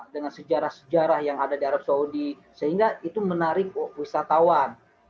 dengan sejarah sejarah yang ada di arab saudi sehingga itu menarik wisatawan